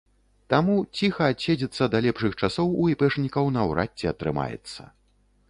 Таму ціха адседзецца да лепшых часоў у іпэшнікаў наўрад ці атрымаецца.